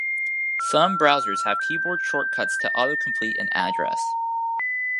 Some browsers have keyboard shortcuts to auto-complete an address.